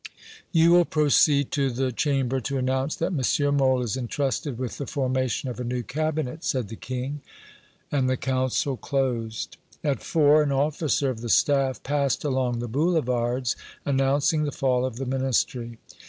"You will proceed to the Chamber to announce that M. Mole is entrusted with the formation of a new cabinet," said the King. And the council closed. At four, an officer of the staff passed along the boulevards, announcing the fall of the Ministry.